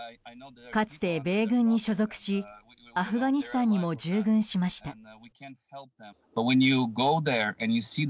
かつて米軍に所属しアフガニスタンにも従軍しました。